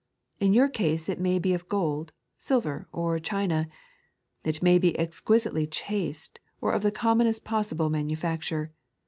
In your case it may be of gold, eUver, or obina. It may be exqaimtely chased, or of the commonest possible manufacture.